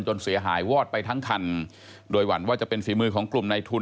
เสียหายวอดไปทั้งคันโดยหวั่นว่าจะเป็นฝีมือของกลุ่มในทุน